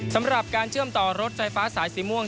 สำหรับการเชื่อมต่อรถไฟฟ้าสายสีม่วง